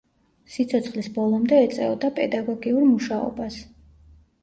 სიცოცხლის ბოლომდე ეწეოდა პედაგოგიურ მუშაობას.